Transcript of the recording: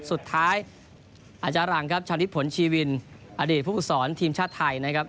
สุดท้ายอาจารังฉันฤทธิ์ผลชีวินอดีตผู้กุศรทีมชาติไทยนะครับ